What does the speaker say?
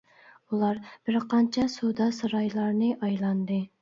ئۇلار بىر قانچە سودا سارايلارنى ئايلاندى.